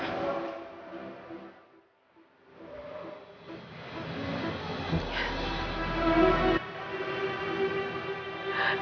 tolong kasih gue kesempatan